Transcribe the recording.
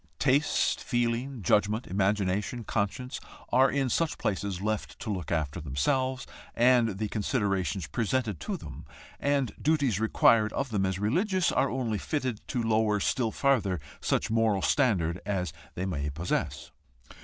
Taste, feeling, judgment, imagination, conscience, are in such places left to look after themselves, and the considerations presented to them, and duties required of them as religious, are only fitted to lower still farther such moral standard as they may possess.